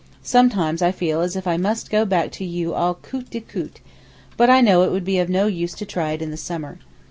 Sometimes I feel as if I must go back to you all coûte qui coûte, but I know it would be no use to try it in the summer.